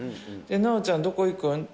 奈緒ちゃん、どこ行くん？